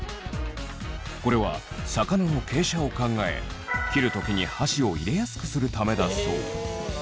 これは魚の傾斜を考え切る時に箸を入れやすくするためだそう。